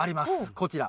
こちら。